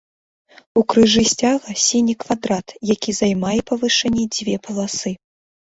У крыжы сцяга сіні квадрат, які займае па вышыні дзве паласы.